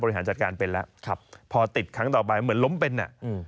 หาจัดการเป็นแล้วครับพอติดครั้งต่อไปเหมือนล้มเป็นอ่ะอืม